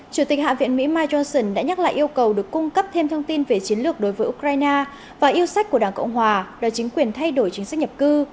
chủ tịch hạ viện mỹ mike johnson đã nhắc lại yêu cầu được cung cấp thêm thông tin về chiến lược đối với ukraine và yêu sách của đảng cộng hòa là chính quyền thay đổi chính sách nhập cư